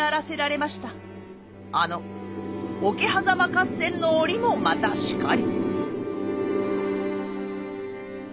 あの桶狭間合戦の折もまたしかり。